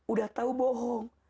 udah tau bohong